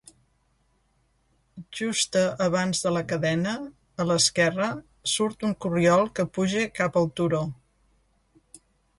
Justa abans de la cadena, a l'esquerra surt un corriol que puja cap al turó.